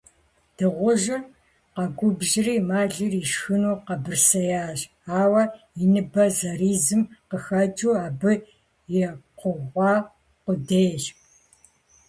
Дыгъужьыр къэгубжьри, мэлыр ишхыну къэбырсеящ, ауэ и ныбэ зэризым къыхэкӀыу, абы екъугъуа къудейщ.